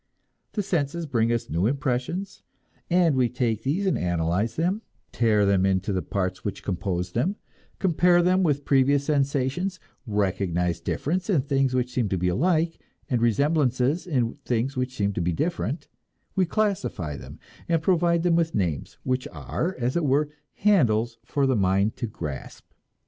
The senses bring us new impressions, and we take these and analyze them, tear them into the parts which compose them, compare them with previous sensations, recognize difference in things which seem to be alike, and resemblances in things which seem to be different; we classify them, and provide them with names, which are, as it were, handles for the mind to grasp.